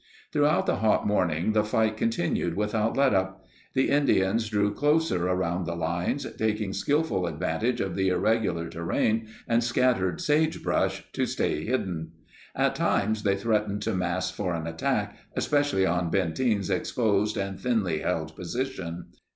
Throughout the hot morning the fight continued without letup. The Indians drew closer around the lines, taking skillful advantage of the irregular ter rain and scattered sagebrush to stay hidden. At times they threatened to mass for an attack, especially on Benteen's exposed and thinly held position.